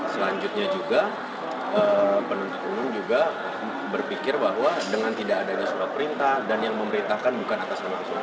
selanjutnya juga penuntut umum juga berpikir bahwa dengan tidak adanya surat perintah dan yang memerintahkan bukan atas nama arsul